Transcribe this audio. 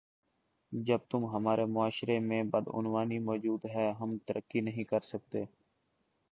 جب تم ہمارے معاشرے میں بدعنوانی موجود ہے ہم ترقی نہیں کرسکتے